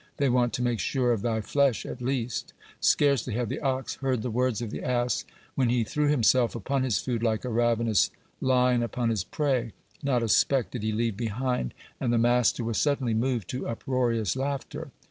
They want to make sure of thy flesh at least." Scarcely had the ox heard the words of the ass when he threw himself upon his food like a ravenous lion upon his prey. Not a speck did he leave behind, and the master was suddenly moved to uproarious laughter.